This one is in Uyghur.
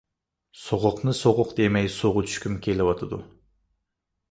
سوغۇقنى سوغۇق دېمەي سۇغا چۈشكۈم كېلىۋاتىدۇ.